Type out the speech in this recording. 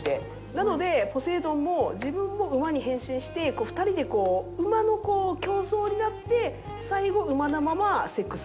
なのでポセイドンも自分も馬に変身して２人で馬の競走になって最後馬のままセックスするっていうそういうような。